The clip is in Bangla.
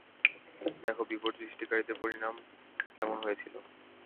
দেখ, বিপর্যয় সৃষ্টিকারীদের পরিণাম কেমন হয়েছিল।